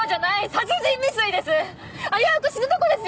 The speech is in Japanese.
殺人未遂です！